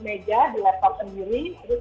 meja di laptop sendiri terus